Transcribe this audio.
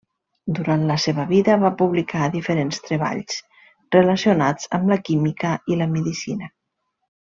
Durant la seva vida va publicar diferents treballs relacionats amb la química i la medicina.